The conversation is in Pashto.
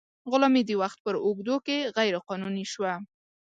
غلامي د وخت په اوږدو کې غیر قانوني شوه.